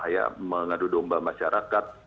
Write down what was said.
ya mengadu domba masyarakat